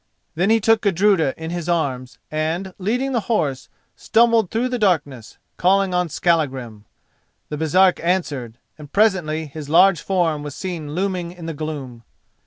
Then he took Gudruda in his arms, and, leading the horse, stumbled through the darkness, calling on Skallagrim. The Baresark answered, and presently his large form was seen looming in the gloom.